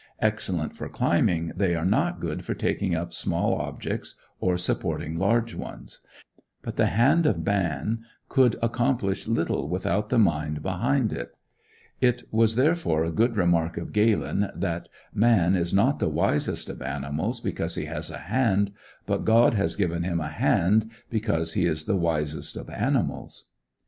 Excellent for climbing, they are not good for taking up small objects or supporting large ones. But the hand of man could accomplish little without the mind behind it. It was therefore a good remark of Galen, that "man is not the wisest of animals because he has a hand; but God has given him a hand because he is the wisest of animals."